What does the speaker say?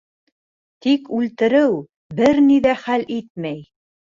Тик үлтереү бер ни ҙә хәл итмәй.